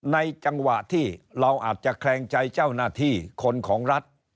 จังหวะที่เราอาจจะแคลงใจเจ้าหน้าที่คนของรัฐ